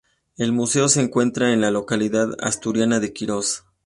El museo se encuentra en la localidad asturiana de Quirós.